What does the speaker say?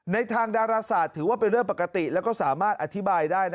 ทางดาราศาสตร์ถือว่าเป็นเรื่องปกติแล้วก็สามารถอธิบายได้